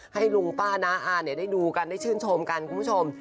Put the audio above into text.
ให้ลุงป้าน้าอาได้ดูกันได้ชื่นชมกันคุณผู้ชม